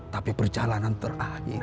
tapi perjalanan terakhir